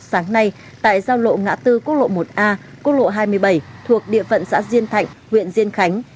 sáng nay tại giao lộ ngã tư quốc lộ một a quốc lộ hai mươi bảy thuộc địa phận xã diên thạnh huyện diên khánh